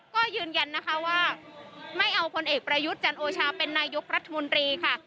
ก็ยืนยันนะคะว่าไม่เอาพลเอกประยุทธ์จันโอชาเป็นนายกรัฐมนตรีค่ะ